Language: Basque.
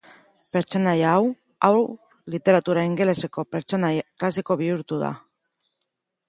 Pertsonaia hau, haur literatura ingeleseko pertsonai klasiko bihurtu da.